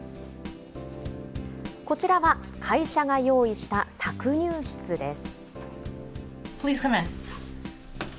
こちらは会社が用意した搾乳室です。